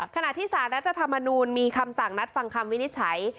ขณะที่สารรัฐธรรมนูลมีคำสั่งนัดฟังคำวินิจฉัย